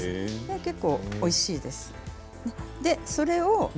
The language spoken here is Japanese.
結構、おいしいです。